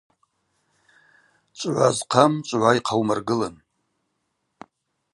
Чӏвгӏва зхъам чӏвгӏва йхъаумыргылын.